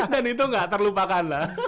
dan itu nggak terlupakan lah